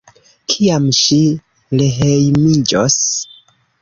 Kiam ŝi rehejmiĝos?